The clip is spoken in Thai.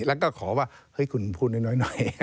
แล้วก็ขอว่าคุณพูดหน่อย